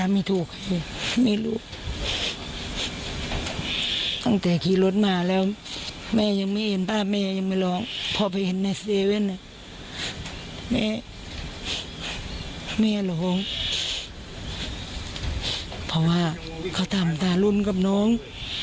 แม่หล่องเพราะว่าเค้าตามตารุ่นกับน้อง